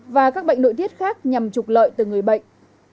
và các bệnh nội tiết khác nhằm trục lợi từ người bệnh